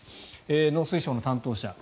農水省の担当者。